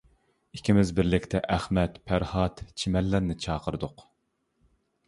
ئىككىمىز بىرلىكتە ئەخمەت، پەرھات، چىمەنلەرنى چاقىردۇق.